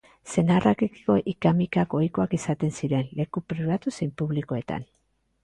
Senarrekiko ika-mikak ohikoak izaten ziren, leku pribatu zein publikoetan.